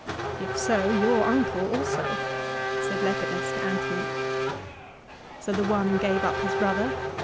If so, your uncle also," said Lepidus to Antony. So the one gave up his brother and the 1 Veil.